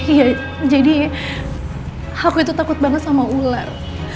iya jadi aku itu takut banget sama ular